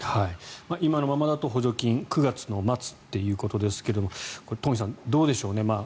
今のままだと補助金９月末ということですがこれ、東輝さんどうでしょうね